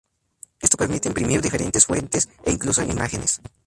Esto permite imprimir diferentes fuentes e incluso imágenes.